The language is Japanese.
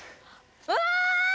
うわ！